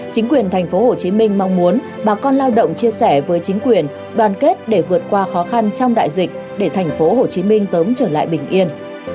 chính quyền thành phố hồ chí minh mong muốn bà con lao động chia sẻ với chính quyền đoàn kết để vượt qua khó khăn trong đại dịch để thành phố hồ chí minh tớm trở lại bình yên